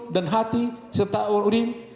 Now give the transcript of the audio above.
dan hati serta urin